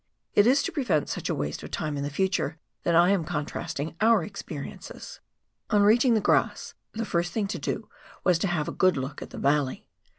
It is to prevent such waste of time in the future that I am contrast ing our experiences. On reaching the grass, the first thing to do was to have a good look at the valley.